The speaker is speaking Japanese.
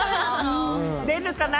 出るかな？